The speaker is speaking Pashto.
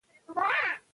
زه غنم کرم